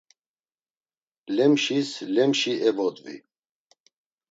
Lemşis lemşi evodvi.